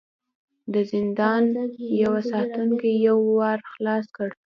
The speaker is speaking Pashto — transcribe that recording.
د زندان يوه ساتونکي يو ور خلاص کړ.